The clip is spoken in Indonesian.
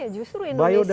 ya justru indonesia